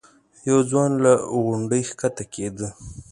یو ځوان له غونډۍ ښکته کېده.